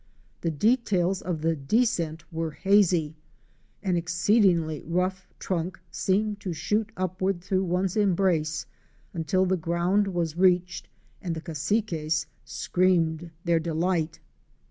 The details of the descent were hazy; an exceedingly rough trunk seemed to shoot upward through one's embrace until the ground was reached and the Cas siques screamed their delight.